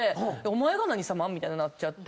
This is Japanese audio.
お前が何様？みたいになって。